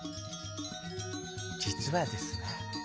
実はですね